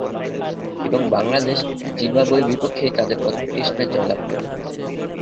এবং বাংলাদেশ জিম্বাবুয়ের বিপক্ষেই তাদের প্রথম টেস্ট ম্যাচ জয়লাভ করে।